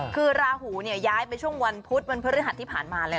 คือราหูเนี่ยย้ายไปช่วงวันพุธมันเพื่อเรื่องหัดที่ผ่านมาเลย